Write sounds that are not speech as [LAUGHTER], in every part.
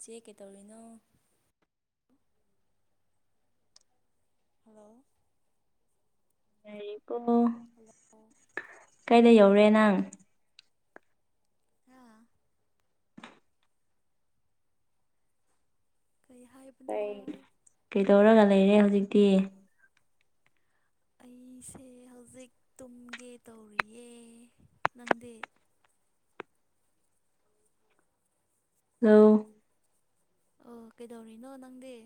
ꯆꯦ ꯀꯩꯇꯧꯔꯤꯅꯣ [INAUDIBLE] ꯍꯜꯂꯣ ꯇꯥꯏꯌꯦꯀꯣ ꯍꯜꯂꯣ ꯀꯩꯗꯥ ꯌꯧꯔꯦ ꯅꯪ ꯍꯥꯥ ꯀꯩ ꯍꯥꯏꯕ ꯑꯩ ꯀꯩꯗꯧꯔꯒ ꯂꯩꯔꯦ ꯍꯧꯖꯤꯛꯇꯤ ꯑꯩꯁꯦ ꯍꯧꯖꯤꯛ ꯇꯨꯝꯒꯦ ꯇꯧꯔꯤꯌꯦ ꯅꯪꯗꯤ ꯍꯜꯂꯣ ꯑꯣ ꯀꯩꯗꯧꯔꯤꯅꯣ ꯅꯪꯗꯤ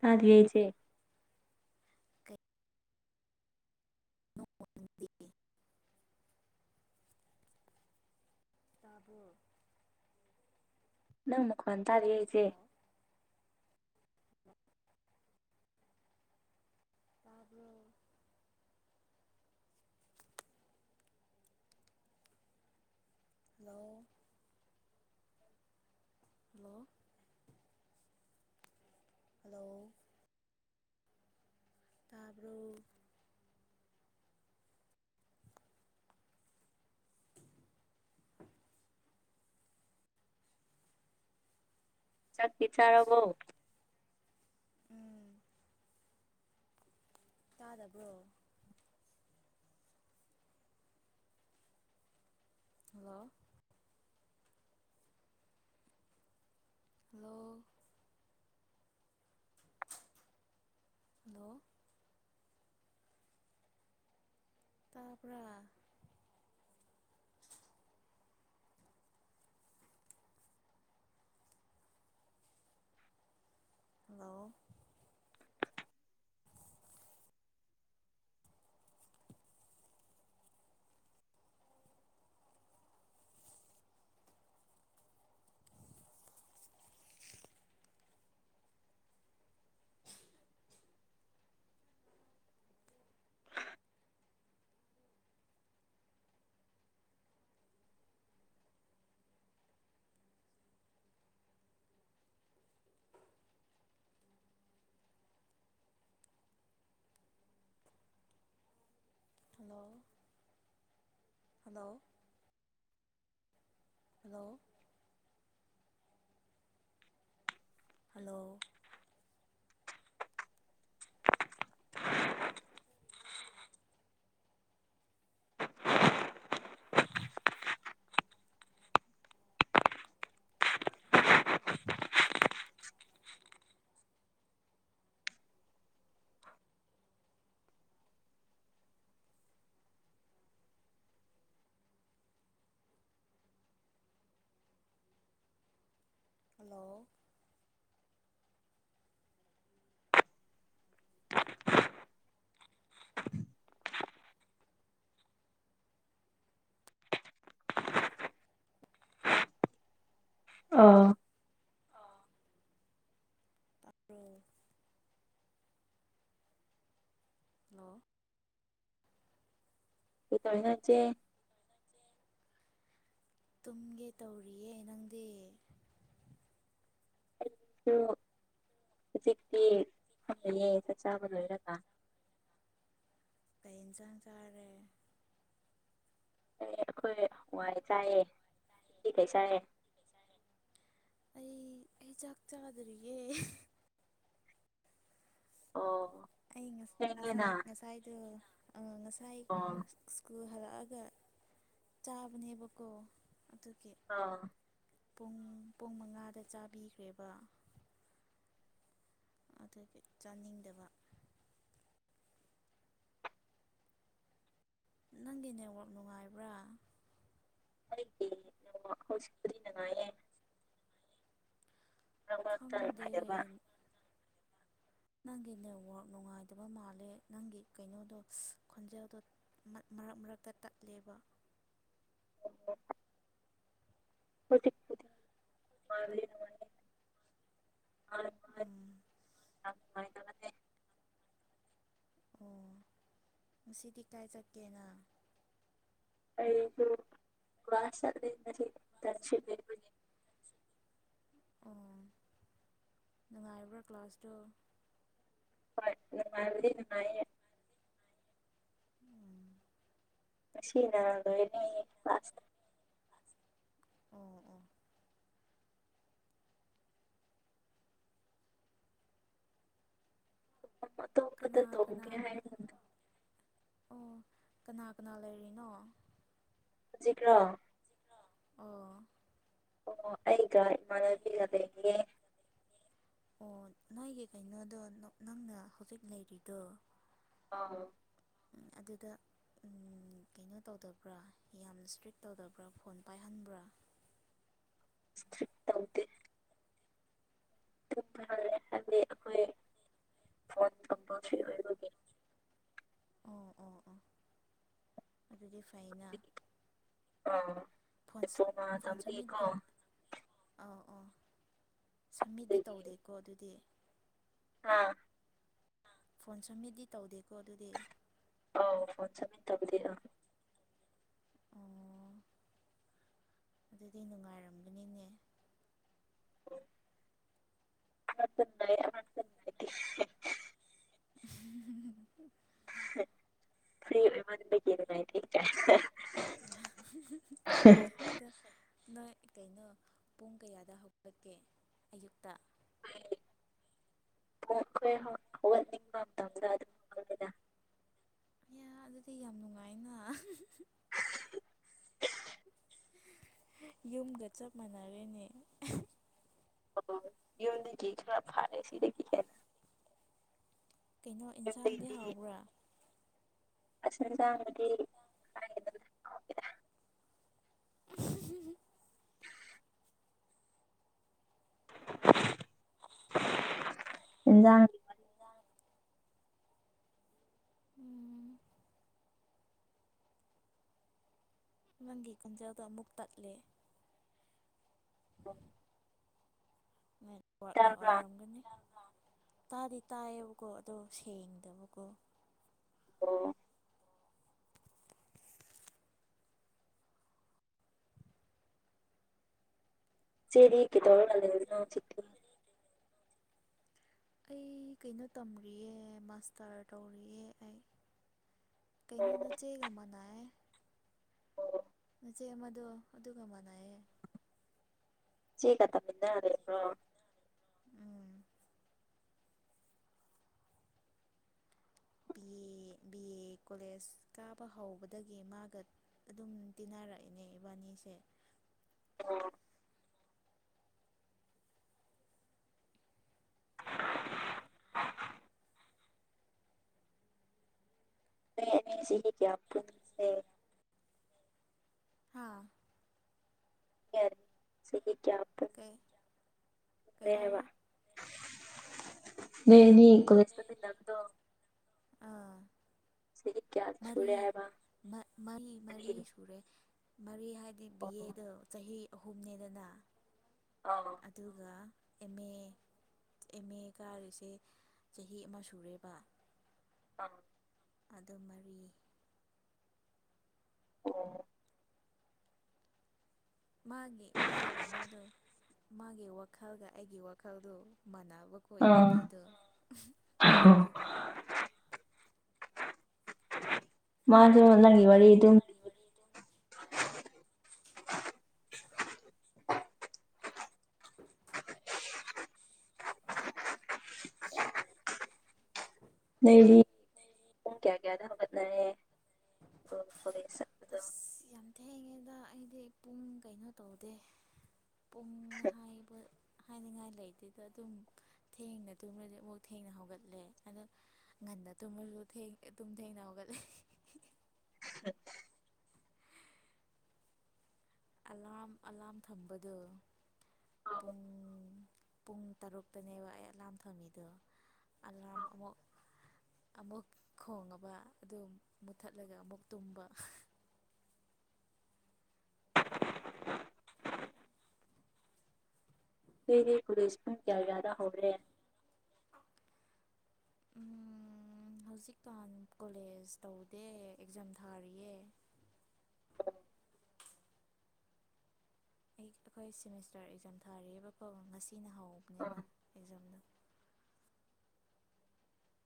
ꯇꯗꯤꯌꯦ ꯏꯆꯦ [INAUDIBLE] ꯇꯥꯕ꯭ꯔꯣ ꯅꯪ ꯅꯈꯣꯟ ꯇꯥꯗꯤꯌꯦ ꯏꯆꯦ ꯍꯜꯂꯣ ꯇꯕ꯭ꯔꯣ ꯍꯜꯂꯣ ꯍꯜꯂꯣ ꯍꯜꯂꯣ ꯇꯕ꯭ꯔꯣ [INAUDIBLE] ꯆꯥꯛꯇꯤ ꯆꯥꯔꯕꯣ ꯎꯝ ꯇꯥꯗꯕ꯭ꯔꯣ ꯍꯜꯂꯣ ꯍꯜꯂꯣ ꯍꯜꯂꯣ ꯇꯥꯕꯔ hello hello hello hello hello [INAUDIBLE] [INAUDIBLE] hello [INAUDIBLE] ꯑꯥ ꯑꯥ ꯕꯔꯣ ꯍꯜꯂꯣ ꯀꯩꯗꯧꯅꯣꯆꯦ ꯇꯨꯝꯒꯦ ꯇꯧꯔꯤꯌꯦ ꯅꯪꯗꯤ ꯑꯩꯁꯨ ꯍꯧꯖꯤꯛꯇꯤ ꯐꯪꯉꯌꯦ ꯆꯥꯛ ꯆꯥꯕ ꯂꯣꯏꯔꯒ ꯀꯩ ꯏꯟꯁꯥꯡ ꯆꯥꯔꯦ ꯑꯩꯈꯣꯏ ꯍꯋꯥꯏ ꯆꯥꯏꯑꯦ ꯅꯪꯗꯤ ꯀꯩ ꯆꯥꯏꯑꯦ ꯑꯩ ꯑꯩ ꯆꯥꯛ ꯆꯥꯗ꯭ꯔꯤꯌꯦ ꯑꯣ ꯑꯩ ꯉ ꯊꯦꯡꯉꯦꯅ ꯉꯁꯥꯏ ꯉꯁꯥꯏꯗꯣ ꯑ ꯉꯁꯥꯏ ꯑꯣ ꯁ꯭ꯀꯨꯜ ꯍꯜꯂꯛꯑꯒ ꯆꯥꯕꯅꯦꯕꯀꯣ ꯑꯗꯨꯒꯤ ꯑꯥ ꯄꯨꯡ ꯄꯨꯡ ꯃꯉꯥꯗ ꯆꯥꯕꯤꯈ꯭ꯔꯦꯕ꯫ ꯑꯗꯨꯒꯤ ꯆꯥꯅꯤꯡꯗꯕ꯫ ꯅꯪꯒꯤ ꯅꯦꯠꯋꯛ ꯅꯨꯡꯉꯥꯏꯕ꯭ꯔꯥ꯫ ꯑꯩꯒꯤ ꯅꯦꯋꯥꯛ ꯍꯧꯒꯤꯛꯄꯨꯗꯤ ꯅꯨ ꯉꯥꯢꯑꯦ꯫ ꯃꯔꯛ ꯃꯔꯛꯇ ꯈꯪꯗꯦ꯫ ꯅꯨꯡꯉꯥꯏꯇꯕ ꯅꯪꯒꯤ ꯅꯦꯠꯋꯛ ꯅꯨꯡꯉꯥꯏꯇꯕ ꯃꯥꯜꯂꯦ ꯅꯪꯒꯤ ꯀꯩꯅꯣꯗꯣ ꯈꯣꯟꯖꯦꯜꯗꯣ꯫ ꯃꯔꯛ ꯃꯔꯛꯇ ꯇꯠꯂꯦꯕ ꯑꯣ ꯈꯇꯗꯤ ꯑ ꯎꯝ ꯃꯥ ꯇꯉ ꯇꯅꯦ ꯑꯣ ꯉꯁꯤꯗꯤ ꯀꯥꯏ ꯆꯠꯀꯦꯅ ꯑꯩꯁꯨ ꯀ꯭ꯂꯥꯁ ꯆꯠꯂꯦ ꯉꯁꯤꯗꯤ ꯑꯣ ꯅꯨꯡꯉꯥꯏꯕ꯭ꯔꯥ ꯀ꯭ꯂꯥꯁꯇꯣ ꯍꯣꯏ ꯅꯨꯡꯉꯥꯏꯕꯗꯤ ꯅꯨꯡꯉꯥꯏꯌꯦ ꯎꯝ ꯃꯁꯤꯅ ꯂꯣꯏꯔꯅꯤ ꯎꯝ ꯎꯝ [UNINTELLIGIBLE] ꯀꯅꯥ ꯀꯅꯥ ꯇꯧꯒꯦ ꯍꯥꯏꯅ ꯑꯣ ꯀꯅꯥ ꯀꯅꯥ ꯂꯩꯔꯤꯅꯣ ꯍꯧꯖꯤꯛꯔꯣ ꯑꯣ ꯑꯣ ꯑꯩꯒ ꯏꯃꯥꯟꯅꯕꯤꯒ ꯂꯩꯌꯦ ꯑꯣ ꯅꯣꯏꯒꯤ ꯀꯩꯅꯣꯗꯣ ꯅꯪꯅ ꯍꯧꯖꯤꯛ ꯂꯩꯔꯤꯗꯣ ꯑꯥ ꯑꯗꯨꯗ ꯀꯩꯅꯣ ꯇꯧꯗꯕ꯭ꯔꯥ ꯌꯥꯝ ꯏꯁꯇ꯭ꯔꯤꯛ ꯇꯧꯗꯕ꯭ꯔꯥ ꯐꯣꯟ ꯄꯥꯏꯍꯟꯕ꯭ꯔꯥ ꯏꯁꯀ꯭ꯔꯤꯛ ꯇꯧꯗꯦ ꯐ ꯍꯥꯏꯗꯤꯈꯣꯏ ꯐꯣꯟ ꯇꯝꯕꯁ ꯑꯥ ꯑꯥ ꯑꯥ ꯑꯗꯨꯗꯤ ꯐꯥꯏꯅꯦ ꯑꯥ ꯅꯤꯐꯨꯉꯥ ꯇꯝꯃꯤꯀꯣ ꯑꯥꯎ ꯑꯥ ꯁꯝꯃꯤꯠꯇꯗꯤ ꯇꯧꯗꯦꯀꯣ ꯑꯗꯨꯗꯤ ꯑꯥ ꯐꯣꯟ ꯁꯨꯝꯃꯤꯠꯗꯤ ꯇꯧꯗꯦꯀꯣ ꯑꯗꯨꯗꯤ ꯑꯥꯎ ꯐꯣꯟ ꯁꯝꯃꯤꯠ ꯇꯧꯗꯦ ꯑꯥ ꯑꯣ ꯑꯗꯨꯗꯤ ꯅꯨꯡꯉꯥꯏꯔꯝꯒꯅꯤꯅꯦ ꯎ ꯑ ꯑꯅꯥꯥꯏꯗꯤ [UNINTELLIGIBLE] ꯐ꯭ꯔꯤ ꯑꯣꯏꯃꯟꯖꯒꯤ ꯉꯥꯏ ꯊꯤ ꯀꯥꯏ ꯑꯗ ꯅꯣꯏ ꯀꯩꯅꯣ ꯄꯨꯡ ꯀꯌꯥꯗ ꯍꯧꯒꯠꯂꯛꯀꯦ ꯑꯌꯨꯛꯇ ꯑꯩ ꯑꯩꯈꯣꯏ ꯍꯧꯒꯠꯅꯤꯡꯕ ꯃꯇꯝꯗ ꯑꯗꯨꯝ ꯍꯧꯂꯦꯗ ꯌꯥꯝ ꯑꯗꯨꯗꯤ ꯌꯥꯝ ꯅꯨꯡꯉꯥꯏꯅ ꯌꯨꯝꯒ ꯆꯞ ꯃꯥꯟꯅꯔꯦꯅꯦ ꯑꯣ ꯌꯨꯝꯗꯒꯤ ꯈꯔ ꯐꯥꯔꯦ ꯁꯤꯗꯒꯤ ꯍꯦꯟ ꯀꯩꯅꯣ ꯏꯟꯁꯥꯡꯗꯤ ꯌꯨꯝꯗꯒꯤꯗꯤ ꯍꯥꯎꯕ꯭ꯔꯥ ꯑꯁ ꯍꯦꯟꯖꯥꯡꯗꯤ [UNINTELLIGIBLE] ꯏꯟꯖꯥꯡ ꯏꯟꯖꯥꯡ ꯎꯝ ꯅꯪꯒꯤ ꯀꯟꯖꯜꯗꯣ ꯑꯃꯨꯛ ꯇꯠꯂꯦ ꯑ ꯅꯦꯠꯋꯥꯛꯅ ꯑꯣꯏꯔꯝꯒꯅꯤ ꯇꯥꯗꯤ ꯇꯥꯏꯌꯦꯕꯀꯣ ꯑꯗꯣ ꯁꯦꯡꯗꯕꯀꯣ ꯑꯣ ꯆꯦꯗꯤ ꯀꯩꯗꯧꯔꯒꯦ ꯂꯩꯔꯤꯅꯣ ꯍꯧꯖꯤꯛꯇꯤ ꯑꯩ ꯀꯩꯅꯣ ꯇꯝꯔꯤꯌꯦ ꯃꯥꯁꯇꯔ ꯇꯧꯔꯤꯌꯦ ꯑꯩ ꯀꯩꯅꯣ ꯅ ꯑꯣ ꯆꯦꯒ ꯑꯃꯅꯩꯌꯦ ꯑꯣ ꯅꯆꯦ ꯑꯃꯗꯣ ꯑꯗꯨꯒ ꯃꯥꯟꯅꯩꯌꯦ ꯆꯦ ꯀ ꯇꯃꯤꯟꯅꯔ ꯂꯩꯕ꯭ꯔꯣ ꯎꯝ B A B A college ꯀꯥꯕ ꯍꯧꯕꯗꯒꯤ ꯃꯥꯒ ꯑꯗꯨꯝ ꯇꯤꯟꯅꯔꯛꯏꯅꯦ ꯏꯕꯥꯅꯤꯁꯦ ꯑꯣ ꯅꯣꯏ ꯑꯅꯤꯁꯤꯗꯤ ꯀꯌꯥꯝ ꯄꯨꯟꯒꯦ ꯍꯥꯥ ꯌꯥꯔ ꯁꯤꯗꯤ ꯀꯌꯥ‌ ꯄꯨꯟ ꯑꯦ ꯅꯣꯏ ꯑꯅꯤ ꯀꯣꯂꯦꯁ ꯀꯣꯂꯦꯁ ꯑꯥ ꯁꯤꯗꯤ ꯀꯌꯥ ꯁꯨꯔꯦ ꯍꯥꯏꯕ ꯃꯔꯤ‌ꯃ ꯃꯔꯤ ꯃꯔꯤ ꯁꯨꯔꯦ ꯃꯔꯤ ꯍꯥꯏꯗꯤ ꯕꯤ ꯑꯣ ꯑꯦ ꯗꯣ ꯆꯍꯤ ꯑꯍꯨꯝꯅꯦꯗꯅ ꯑꯧ ꯗꯨꯒ ꯑꯦꯝ ꯑꯦ ꯑꯦꯝ ꯑꯦ ꯀꯥꯔꯤꯁꯦ ꯆꯍꯤ ꯑꯃ ꯁꯨꯔꯦꯕ ꯑꯝ ꯑꯗꯨ ꯃꯔꯤ ꯑꯣ ꯃꯥꯒꯤ ꯃꯥꯒꯤ ꯀꯩꯅꯣꯗꯣ ꯃꯥꯒꯤ ꯋꯥꯈꯜꯒ ꯑꯩꯒꯤ ꯋꯥꯈꯜꯗꯣ ꯃꯥꯟꯅꯕ ꯍꯧ ꯑꯥ ꯏꯕꯥꯅꯤꯗꯨ ꯑꯗꯨꯒꯤ ꯃꯥꯁꯨ ꯅꯪꯒꯤ ꯋꯥꯔꯤ ꯑꯗꯨꯝ ꯂꯤꯌꯦ꯫ ꯋꯥꯔꯤ ꯑꯗꯨꯝ [UNINTELLIGIBLE] [INAUDIBLE] ꯂꯩꯔꯤ ꯀꯌꯥꯗ ꯍꯧꯒꯠꯅꯔꯦ ꯀꯣꯂꯦꯖ ꯆꯠꯄꯗꯣ ꯏꯁ ꯌꯥꯝ ꯊꯦꯡꯉꯦꯗ ꯑꯩꯗꯤ ꯄꯨꯡ ꯀꯩꯅꯣ ꯇꯧꯗꯦ ꯄꯨꯡ ꯍꯥꯏꯕ ꯍꯥꯏꯅꯤꯡꯉꯥꯏ ꯂꯩꯇꯦꯗ ꯑꯗꯨꯝ ꯊꯦꯡꯅ ꯇꯨꯝꯔꯗꯤ ꯑꯃꯨꯛ ꯊꯦꯡꯅ ꯍꯧꯒꯠꯂꯦ ꯑꯗꯣ ꯉꯟꯅ ꯇꯨꯝꯃꯖꯨ ꯊꯦꯡ ꯑꯗꯨꯝ ꯊꯦꯡꯅ ꯍꯧꯒꯠꯂꯦ [UNINTELLIGIBLE] ꯑꯂꯥ꯭ꯔꯝ ꯑꯂꯥ꯭ꯔꯝ ꯊꯝꯕꯗꯣ ꯄꯨꯡ ꯄꯨꯡ ꯇꯔꯨꯛꯇꯅꯦꯕ ꯑꯩ ꯑꯦꯂꯥꯝ ꯊꯝꯃꯤꯗꯣ ꯑꯂꯥ꯭ꯔꯝ ꯑꯃꯨꯛ ꯑꯃꯨꯛ ꯈꯣꯡꯉꯥꯕ ꯑꯗꯨ ꯃꯨꯠꯊꯠꯂꯒ ꯑꯃꯨꯛ ꯇꯨꯝꯕ [UNINTELLIGIBLE] [UNINTELLIGIBLE] ꯄꯨꯂꯤꯁꯅ ꯀꯌꯥ ꯀꯌꯥꯗ ꯍꯧꯔꯦ [INAUDIBLE] ꯎꯝ ꯎꯝ ꯍꯧꯖꯤꯛꯀꯥꯟ ꯀꯣꯂꯦꯖ ꯇꯧꯗꯦ ꯑꯦꯛꯖꯥꯝ ꯊꯥꯔꯤꯌꯦ [UNINTELLIGIBLE] ꯑꯩ ꯑꯩꯈꯣꯏ ꯁꯦꯃꯤꯁꯇꯔ ꯑꯦꯛꯖꯥꯝ ꯊꯥꯔꯤꯌꯦꯕꯀꯣ ꯉꯁꯤꯅ ꯑ ꯍꯧꯕꯅꯦꯕ ꯑꯦꯛꯖꯥꯝꯗꯣ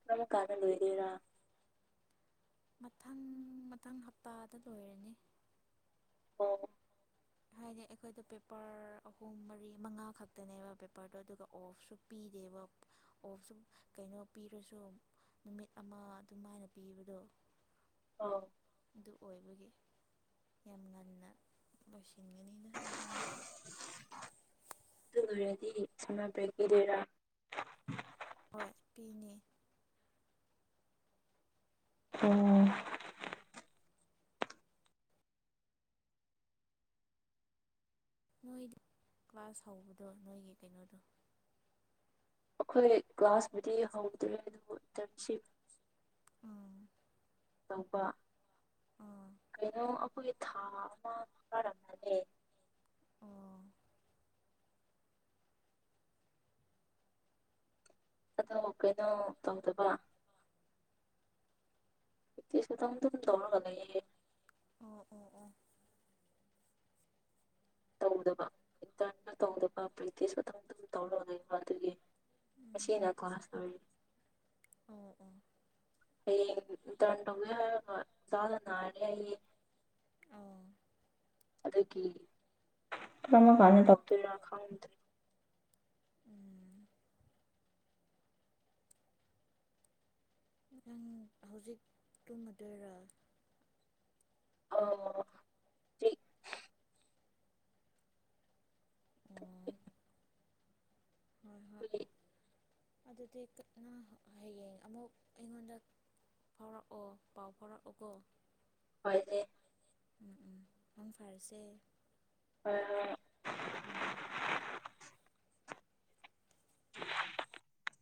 ꯀꯔꯝ ꯀꯥꯟꯗ ꯂꯣꯏꯗꯣꯏꯔꯥ ꯃꯊꯪ ꯃꯊꯪ ꯍꯞꯇꯥꯗ ꯂꯣꯏꯔꯅꯤ ꯑꯣ ꯍꯥꯏꯗꯤ ꯑꯩꯈꯣꯏꯗꯣ ꯄꯦꯄꯔ ꯑꯍꯨꯝ ꯃꯔꯤ ꯃꯉꯥ ꯈꯛꯇꯅꯦꯕ ꯄꯦꯄꯔꯗꯣ ꯑꯗꯨꯒ ꯑꯣꯐꯁꯨ ꯄꯤꯗꯦꯕ ꯑꯣꯐꯁꯨ ꯀꯩꯅꯣ ꯄꯤꯔꯁꯨ ꯅꯨꯃꯤꯠ ꯑꯃ ꯑꯗꯨꯝꯃꯥꯏꯅ ꯄꯤꯕꯗꯣ ꯑꯣ ꯑꯗꯨ ꯑꯣꯏꯕꯒꯤ ꯌꯥꯝ ꯉꯟꯅ ꯂꯣꯏꯁꯤꯟꯒꯅꯤꯅ ꯑꯦꯛꯖꯥꯝꯖꯦ ꯑꯗꯨ ꯂꯣꯏꯔꯗꯤ ꯁꯝꯃꯔ ꯕ꯭ꯔꯦꯛ ꯄꯤꯗꯣꯏꯔꯥ ꯍꯣꯏ ꯄꯤꯅꯤ ꯑꯣ ꯅꯣꯏꯗ ꯀ꯭ꯂꯥꯁ ꯍꯧꯕꯗꯣ ꯅꯣꯏꯒꯤ ꯀꯩꯅꯣꯗꯣ ꯑꯩꯈꯣꯏ ꯀ꯭ꯂꯥꯁꯕꯨꯨꯗꯤ ꯍꯧꯗ꯭ꯔꯤ ꯑꯗꯨꯕꯨ ꯏꯟꯇꯔꯟꯁꯤꯞ ꯎꯝ [INAUDIBLE] ꯇꯧꯕ ꯑꯥ ꯀꯩꯅꯣ ꯑꯩꯈꯣꯏꯒꯤ ꯊꯥ ꯑꯃ ꯐꯥꯔꯝꯃꯅꯤ ꯑꯣ ꯑꯗꯣ ꯀꯩꯅꯣ ꯇꯧꯗꯕ ꯇꯦꯁ ꯑꯗꯨꯝ ꯗꯨꯝ ꯇꯧꯔꯒ ꯂꯩꯌꯦ ꯑꯣ ꯑꯣ ꯑꯣ ꯇꯧꯗꯕ ꯏꯟꯇꯔꯟꯅ ꯇꯧꯗꯕ ꯄ꯭ꯔꯦꯛꯇꯤꯁ ꯃꯇꯝ ꯑꯗꯨꯝ ꯇꯧꯔꯒ ꯂꯩꯕ ꯑꯗꯨꯒꯤ ꯎꯝ ꯉꯁꯤꯅꯥ ꯀꯂ꯭ꯥꯁ ꯂꯣꯏꯔꯦ ꯑꯣ ꯑꯣ ꯍꯌꯦꯡ ꯏꯟꯇꯔꯟ ꯇꯧꯒꯦ ꯍꯥꯏꯔꯒ ꯆꯥꯗ ꯅꯥꯔꯗꯤ ꯑꯩ ꯑꯧ ꯑꯗꯨꯒꯤ ꯀꯔꯝ ꯀꯟꯗꯥ ꯇꯧꯗꯣꯏꯔꯥ ꯈꯪꯗ꯭ꯔꯦ ꯎꯝ ꯅꯪ ꯍꯧꯖꯤꯛ ꯇꯨꯝꯃꯗꯣꯏꯔꯥ ꯑꯧ ꯑꯣ ꯍꯣꯏ ꯍꯣꯏ ꯑꯩꯈꯣꯏ ꯑꯗꯨꯗꯤ ꯇꯞꯅꯥ ꯍꯌꯦꯡ ꯑꯃꯨꯛ ꯑꯩꯉꯣꯟꯗ ꯐꯥꯎꯔꯛꯑꯣ ꯄꯥꯎ ꯐꯥꯎꯔꯛꯎꯀꫭ ꯍꯣꯏꯅꯦ ꯎꯝ ꯎꯝ ꯃꯪ ꯐꯔꯁꯦ ꯍꯣꯏ ꯍꯣꯏ꯫ ꯎꯝ [UNINTELLIGIBLE]